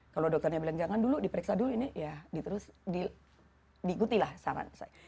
kalau dokternya bilang jangan dulu diperiksa dulu ini ya diikutilah saran saya